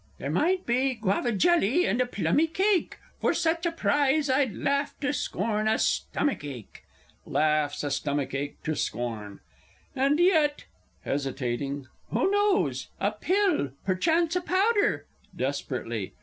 _ There might be Guava jelly, and a plummy cake, For such a prize I'd laugh to scorn a stomach ache! [Laughs a stomach ache to scorn. And yet (hesitating) who knows? a pill ... perchance a powder! (_Desperately.